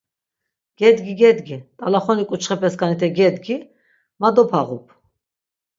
Gedgi gedgi, t̆alaxoni k̆uçxepeskanite gedgi, ma dopağup!